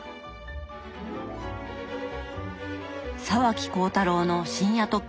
沢木耕太郎の「深夜特急」。